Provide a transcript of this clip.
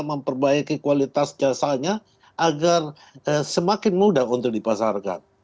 memperbaiki kualitas jasanya agar semakin mudah untuk dipasarkan